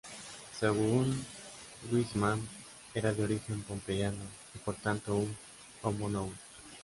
Según Wiseman, era de origen pompeyano y por tanto un "homo novus".